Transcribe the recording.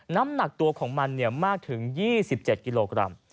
น้ำหนักตัวของมันมากถึง๒๗กิโลกรัม